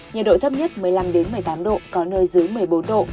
nhiệt độ thấp nhất một mươi năm một mươi tám độ có nơi dưới một mươi bốn độ